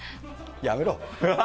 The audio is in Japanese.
やめろ。